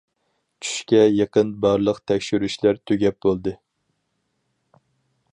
چۈشكە يېقىن بارلىق تەكشۈرۈشلەر تۈگەپ بولدى.